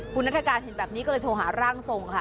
คุณนัฐกาลเห็นแบบนี้ก็เลยโทรหาร่างทรงค่ะ